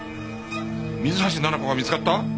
水橋奈々子が見つかった？